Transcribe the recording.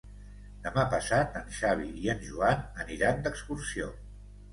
Demà passat en Xavi i en Joan aniran d'excursió.